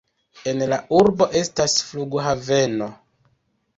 En la urbo estas flughaveno.